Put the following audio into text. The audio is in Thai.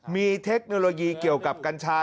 มีเทคโนโลยีเกี่ยวกับกัญชา